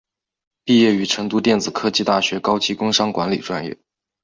毕业于成都电子科技大学高级工商管理专业。